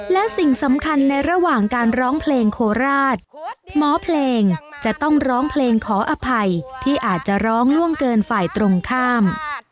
และสิ่งสำคัญในระหว่างการร้องเพลงโคราชหมอเพลงจะต้องร้องเพลงขออภัยที่อาจจะร้องล่วงเกินฝ่ายตรงข้าม